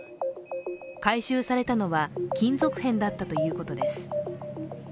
回収されたのは、金属片だったということです。